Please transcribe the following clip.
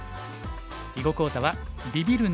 囲碁講座は「ビビるな！